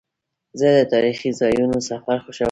زه د تاریخي ځایونو سفر خوښوم.